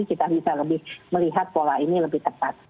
kita bisa lebih melihat pola ini lebih tepat